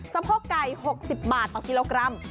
สะโพกไก่๖๐บาทต่อกิโลกรัม